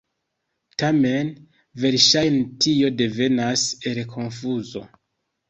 Tamen, verŝajne tio devenas el konfuzo.